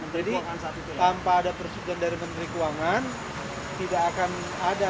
jadi tanpa ada persetujuan dari menteri keuangan tidak akan ada